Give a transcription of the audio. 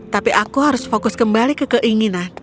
tapi aku harus fokus kembali ke keinginan